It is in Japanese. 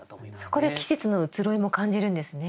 そこで季節の移ろいも感じるんですね。